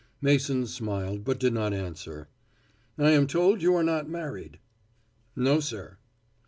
Mason smiled, but did not answer. "I am told you are not married." "No, sir."